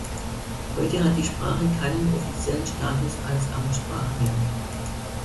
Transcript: Heute hat die Sprache keinen offiziellen Status als Amtssprache mehr.